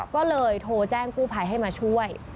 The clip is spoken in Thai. ก็เลยโทรแจ้งกู้ภัยให้มาช่วย